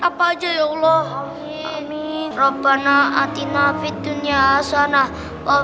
apa aja ya allah amin robbana atina fit dunia asana wabarakatuh